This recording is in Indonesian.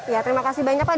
ya terima kasih banyak pak